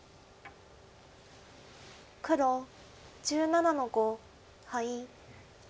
黒１７の五ハイ。